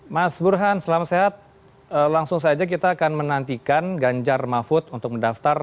mas burhan selamat siang langsung saja kita akan menantikan ganjar mahfud untuk mendaftar